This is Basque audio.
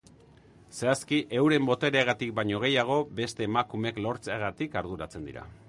Zehazki, euren botereagatik baino gehiago, beste emakumeek lortzeagatik arduratzen dira.